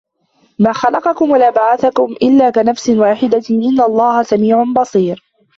ما خلقكم ولا بعثكم إلا كنفس واحدة إن الله سميع بصير